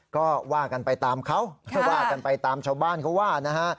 ก็ว่ากันไปตามเขาก็ว่ากันไปตามชาวบ้านเขาว่านะฮะ